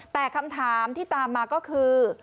แต่คำถามที่ตามมาก็คือ